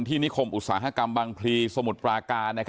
นิคมอุตสาหกรรมบางพลีสมุทรปราการ